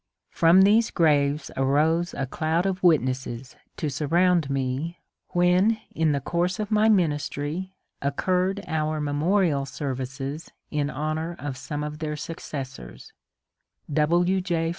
From these graves arose a cloud of witnesses to sur round me when in the course of my ministry occurred our memorial services in honour of some of their successors : W. J.